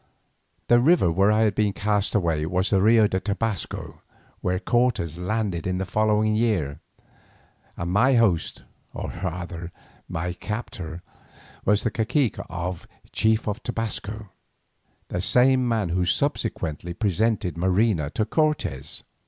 The river where I had been cast away was the Rio de Tobasco, where Cortes landed in the following year, and my host, or rather my captor, was the cacique or chief of Tobasco, the same man who subsequently presented Marina to Cortes.